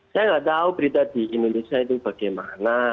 saya nggak tahu berita di indonesia itu bagaimana